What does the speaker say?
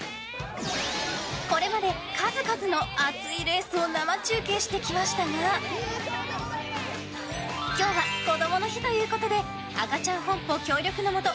これまで数々の熱いレースを生中継してきましたが今日は、こどもの日ということでアカチャンホンポ協力のもと